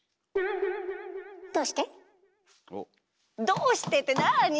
「どうして？」ってなあに？